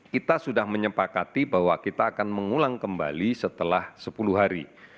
kita sudah menyepakati bahwa kita akan mengulang kembali setelah sepuluh hari